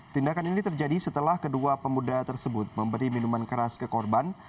tindakan ini terjadi setelah kedua pemuda tersebut memberi minuman keras ke korban